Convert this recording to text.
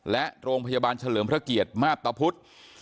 และโรงพยาบาลเฉลิมพระเกียรติมาพตะพุทธ